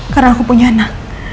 karena aku punya anak